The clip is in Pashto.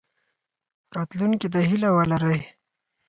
راتلونکي ته هیله ولرئ